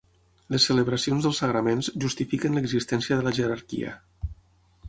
Les celebracions dels sagraments justifiquen l'existència de la jerarquia.